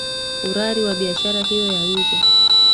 urari wa biashara hiyo ya nje